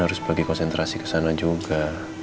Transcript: harus bagi konsentrasi ke sana juga